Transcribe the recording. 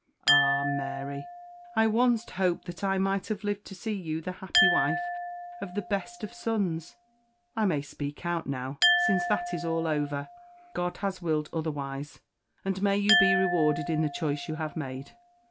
Ah! Mary, I once hoped that I might have lived to see you the happy wife of the best of sons. I may speak out now, since that is all over. God has willed otherwise, an may you be rewarded in the choice you have made!"